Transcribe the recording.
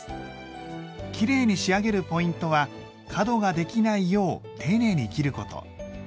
きれいに仕上げるポイントは角ができないよう丁寧に切ること。